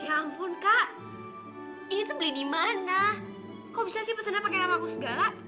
ya ampun kak ini tuh beli di mana kok bisa sih pesennya pakai nama aku segala